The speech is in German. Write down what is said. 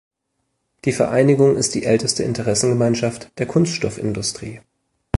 Die Vereinigung ist die älteste Interessengemeinschaft der Kunststoffindustrie.